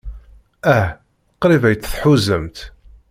Ah, qrib ay tt-tḥuzamt.